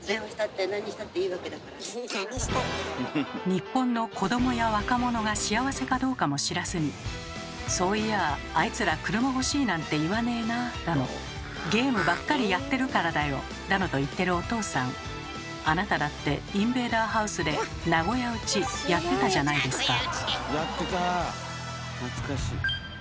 日本の子どもや若者が幸せかどうかも知らずにそういや、あいつら車欲しいなんて言わねえなだのゲームばっかりやってるからだよだのと言ってるお父さん、あなただってインベーダーハウスで名古屋撃ちやってたじゃないですか。